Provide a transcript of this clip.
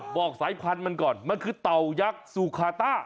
บอกสายพันธุ์มันก่อนมันคือเต่ายักษ์ซูคาต้า